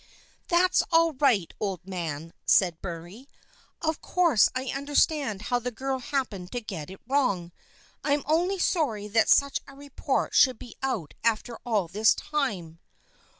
" That's all right, old man," said Murray. " Of course I understand how the girl happened to get it wrong. I am only sorry that such a report should be about after all this time."